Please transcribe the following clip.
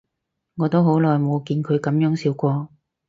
我都好耐冇見佢噉樣笑過